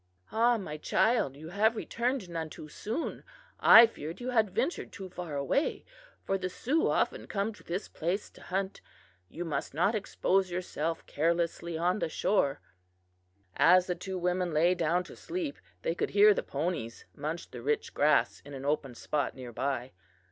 "'Ah, my child, you have returned none too soon. I feared you had ventured too far away; for the Sioux often come to this place to hunt. You must not expose yourself carelessly on the shore.' "As the two women lay down to sleep they could hear the ponies munch the rich grass in an open spot near by.